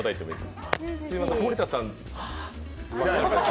すみません、森田さん。